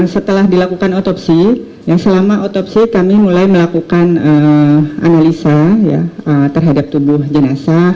setelah dilakukan otopsi yang selama otopsi kami mulai melakukan analisa terhadap tubuh jenazah